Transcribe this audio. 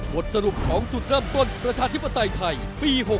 บทสรุปของจุดเริ่มต้นประชาธิปไตยไทยปี๖๖